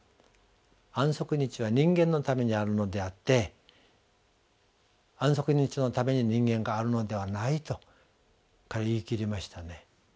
「安息日は人間のためにあるのであって安息日のために人間があるのではない」と彼は言い切りましたね。